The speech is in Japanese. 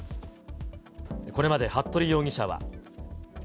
これまで服部容疑者は。